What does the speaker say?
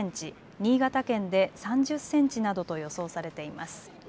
新潟県で３０センチなどと予想されています。